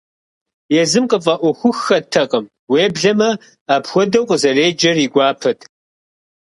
Езым къыфӀэӀуэхуххэтэкъым, уеблэмэ апхуэдэу къызэреджэр и гуапэт.